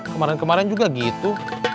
kemarin kemarin juga gitu